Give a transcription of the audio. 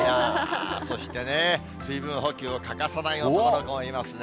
そしてね、水分補給を欠かせない男の子もいますね。